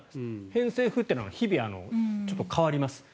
偏西風は日々ちょっと変わります。